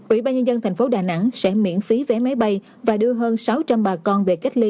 ủy ban nhân dân thành phố đà nẵng sẽ miễn phí vé máy bay và đưa hơn sáu trăm linh bà con về cách ly